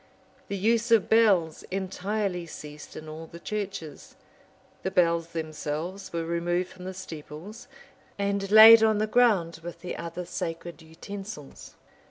The use of bells entirely ceased in all the churches: the bells themselves were removed from the steeples, and laid on the ground with the other sacred utensils.